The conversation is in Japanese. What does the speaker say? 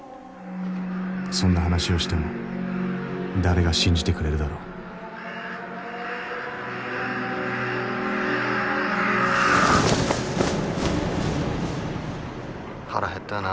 そんな話をしても誰が信じてくれるだろう腹減ったよな。